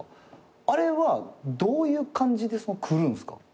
あれはどういう感じでくるんですか？